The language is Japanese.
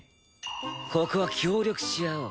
ここは協力し合おう！